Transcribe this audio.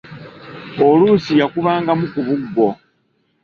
Oluusi yakubangamu ku buggo.